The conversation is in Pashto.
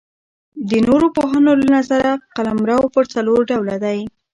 د نورو پوهانو له نظره قلمرو پر څلور ډوله دئ.